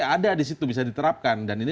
ada di situ bisa diterapkan dan ini